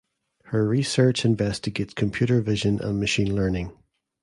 Her research investigates computer vision and machine learning.